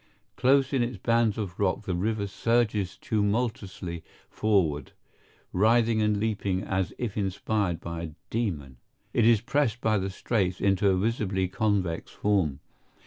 Close in its bands of rock the river surges tumultuously forward, writhing and leaping as if inspired by a demon. It is pressed by the straits into a visibly convex form.